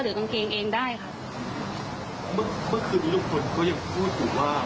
หรือกางเกงเองได้ค่ะเมื่อคืนนี้ลูกคนก็ยังพูดถูกว่า